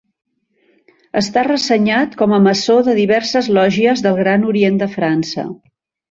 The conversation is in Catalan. Està ressenyat com a maçó de diverses lògies del Gran Orient de França.